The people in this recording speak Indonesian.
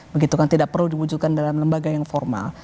begitu kan tidak perlu diwujudkan dalam lembaga yang formal